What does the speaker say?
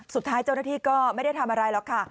สุดท้ายเจ้าหน้าที่ก็ไม่ได้ทำอะไรหรอกค่ะ